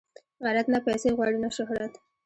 غیرت نه پیسې غواړي نه شهرت